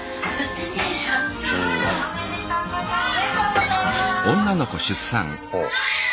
おめでとうございます。